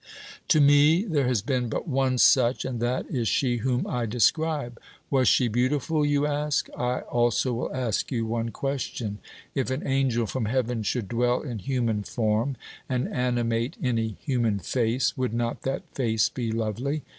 To me there has been but one such, and that is she whom I describe. "Was she beautiful?" you ask. I also will ask you one question: "If an angel from heaven should dwell in human form, and animate any human face, would not that face be lovely?